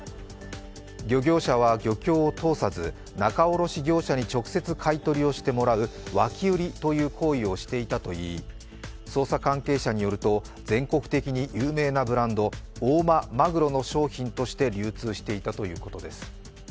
漁業者は漁協を通さず仲卸業者に直接買い取りをしてもらう脇売りという行為をしていたといい、捜査関係者によると全国的に有名なブランド、大間マグロの商品として流通していたということです。